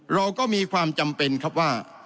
เราก็มีความจำเป็นครับว่า